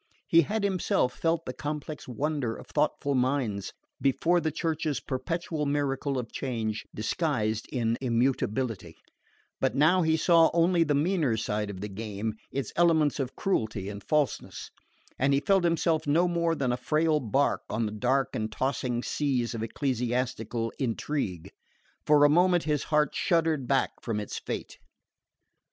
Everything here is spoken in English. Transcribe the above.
He had himself felt the complex wonder of thoughtful minds before the Church's perpetual miracle of change disguised in immutability; but now he saw only the meaner side of the game, its elements of cruelty and falseness; and he felt himself no more than a frail bark on the dark and tossing seas of ecclesiastical intrigue. For a moment his heart shuddered back from its fate.